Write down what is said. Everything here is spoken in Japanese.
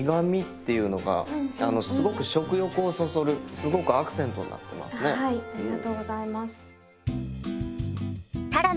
すごくアクセントになってますね。